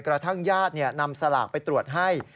กระทั่งญาตินำสลากไปตรวจให้